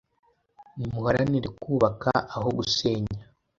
Nimuharanire kubaka aho gusenya,